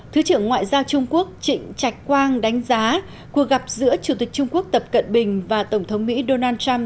thứ trưởng ngoại giao trung quốc trịnh trạch quang đánh giá cuộc gặp giữa chủ tịch trung quốc tập cận bình và tổng thống mỹ donald trump